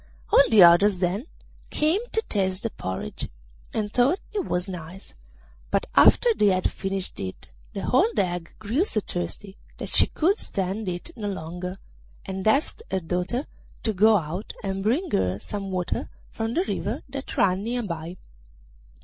All the others then came to taste the porridge, and thought it nice, but after they had finished it the old hag grew so thirsty that she could stand it no longer, and asked her daughter to go out and bring her some water from the river that ran near by.